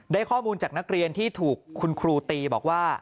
ได้ข้อมูลจากนักเรียนที่ถูกคุณครูตีบอกว่า